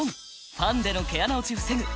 ファンデの毛穴落ち防ぐ！